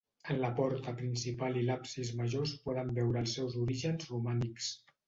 En la porta principal i l'absis major es poden veure els seus orígens romànics.